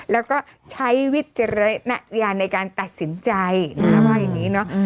แล้วก็ใช้วิจารณญาณในการตัดสินใจนะว่าอย่างนี้เนอะ